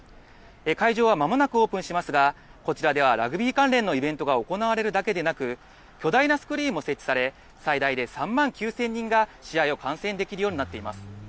会場はまもなくオープンしますが、こちらではラグビー関連のイベントが行われるだけでなく、巨大なスクリーンも設置され、最大で３万９０００人が試合を観戦できるようになっています。